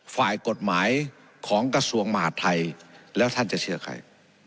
ฝ่ายกฎหมายของกระทรวงมหาดไทยแล้วท่านจะเชื่อใคร